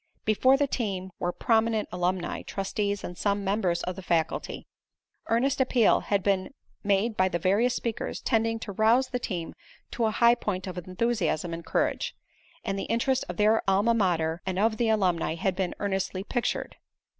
Before the team were prominent alumni, trustees and some members of the faculty. Earnest appeal had been made by the various speakers tending to arouse the team to a high point of enthusiasm and courage, and the interest of their alma mater and of the alumni had been earnestly pictured.